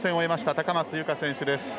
高松佑圭選手です。